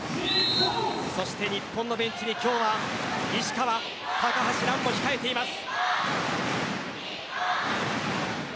そして日本のベンチに今日は石川、高橋藍も控えています。